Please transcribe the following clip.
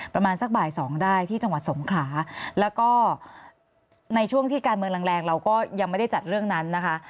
ประมาณสักบ่ายสองได้ที่จังหวัดสงขลาแล้วก็ในช่วงที่การเมืองแรงเราก็ยังไม่ได้จัดเรื่องนั้นนะคะ